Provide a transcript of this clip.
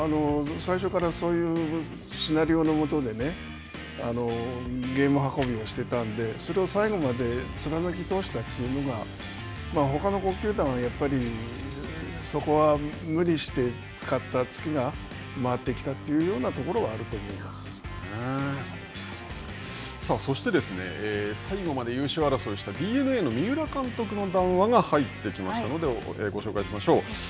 最初からそういうシナリオのもとでゲーム運びをしてたんでそれを最後まで貫き通したというのが、ほかの５球団はやっぱりそこは無理して使ったつけが回ってきたというようなところはさあ、そしてですね、最後まで優勝争いをしたＤｅＮＡの三浦監督の談話が入ってきましたので、ご紹介しましょう。